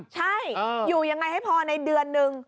ใช่อยู่ยังไงให้พอในเดือนนึง